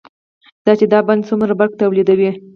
دا چې دا بند څومره برق تولیدوي،